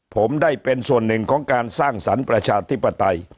ผมได้เป็นส่วนหนึ่งของการสร้างสรรค์ประชาธิปไตย